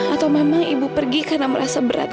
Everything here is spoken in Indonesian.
atau memang ibu pergi karena merasa berat